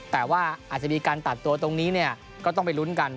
แต่ว่าอาจจะมีการตัดตัวตรงนี้เนี่ยก็ต้องไปลุ้นกัน